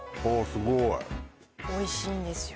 すごいおいしいんですよ